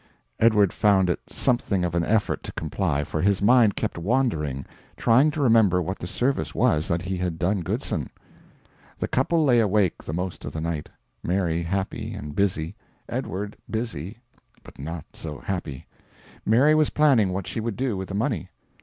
Edward found it something of an effort to comply, for his mind kept wandering trying to remember what the service was that he had done Goodson. The couple lay awake the most of the night, Mary happy and busy, Edward busy, but not so happy. Mary was planning what she would do with the money.